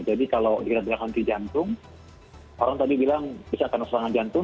jadi kalau kita bilang henti jantung orang tadi bilang bisa kandung serangan jantung